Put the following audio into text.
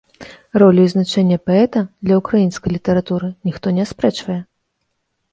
Ролю і значэнне паэта для ўкраінскай літаратуры ніхто не аспрэчвае.